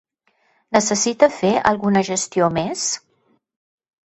Necessita fer alguna gestió més?